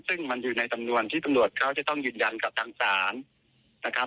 ซึ่งมันอยู่ในสำนวนที่ตำรวจเขาจะต้องยืนยันกับทางศาลนะครับ